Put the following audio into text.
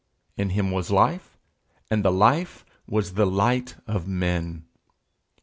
In him was life, and the life was the light of men_.